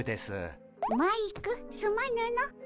マイクすまぬの。